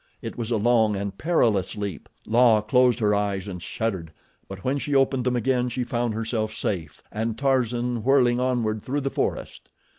It was a long and perilous leap. La closed her eyes and shuddered; but when she opened them again she found herself safe and Tarzan whirling onward through the forest.